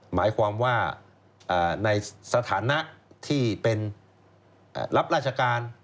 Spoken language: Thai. หมายความว่าในสถานะที่เป็นรับราชการ